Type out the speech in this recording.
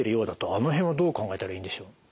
あの辺はどう考えたらいいんでしょう？